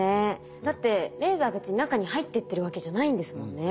だってレーザーは別に中に入ってってるわけじゃないんですもんね。